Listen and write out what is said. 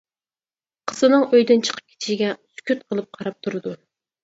قىزىنىڭ ئۆيدىن چىقىپ كېتىشىگە سۈكۈت قىلىپ قاراپ تۇرىدۇ.